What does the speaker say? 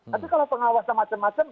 nanti kalau pengawasan macam macam